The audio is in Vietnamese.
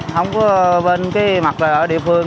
không có bên cái mặt ở địa phương